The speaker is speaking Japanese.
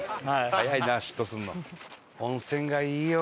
早いな嫉妬すんの。